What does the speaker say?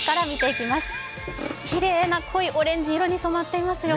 きれいな濃いオレンジ色に染まっていますよ。